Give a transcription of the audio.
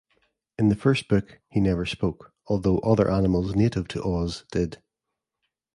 In the first book, he never spoke, although other animals, native to Oz, did.